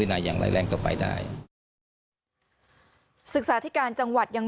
นายอย่างไร้แรงก็ไปได้ศึกษาธิการจังหวัดยัง